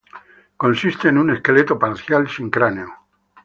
Consiste en un esqueleto parcial sin cráneo.